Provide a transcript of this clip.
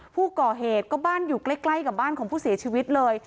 ผู้ก่อเหตุก็บ้านอยู่ใกล้กับบ้านของผู้เสียชีวิตเลย